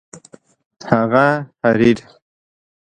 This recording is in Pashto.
هغه حریر